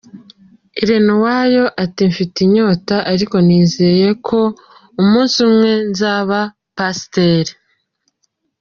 Irene Uwoya ati “Mfite inyota ariko nizeye ko umunsi umwe nzaba pasiteri.